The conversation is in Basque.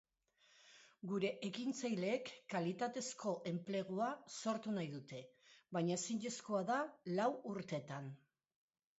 Gure ekintzaileek kalitatezko enplegua sortu nahi dute, baina ezinezkoa da lau urtetan.